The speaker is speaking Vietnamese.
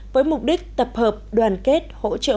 với mục đích tập hợp đoàn kết hỗ trợ